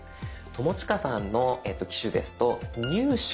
友近さんの機種ですと「入手」。